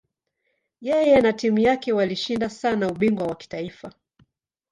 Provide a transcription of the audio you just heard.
Yeye na timu yake walishinda sana ubingwa wa kitaifa.